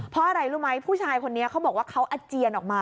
เพราะอะไรรู้ไหมผู้ชายคนนี้เขาบอกว่าเขาอาเจียนออกมา